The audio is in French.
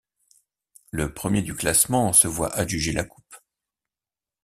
Le premier du classement se voit adjuger la coupe.